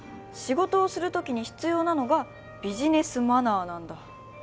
仕事をするときに必要なのがビジネスマナーなんだ。